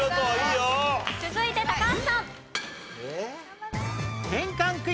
続いて高橋さん。